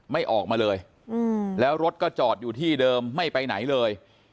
ไม่ออกมาเลยแล้วรถก็จอดอยู่ที่เดิมไม่ไปไหนเลย